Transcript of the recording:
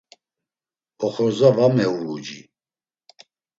Oxorza va mevuuci.